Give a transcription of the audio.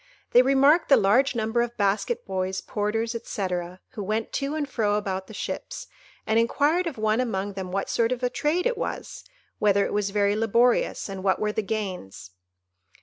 They remarked the large number of basket boys, porters, &c., who went to and fro about the ships, and inquired of one among them what sort of a trade it was—whether it was very laborious—and what were the gains.